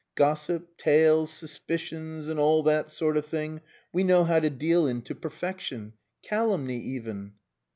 "Gossip, tales, suspicions, and all that sort of thing, we know how to deal in to perfection. Calumny, even."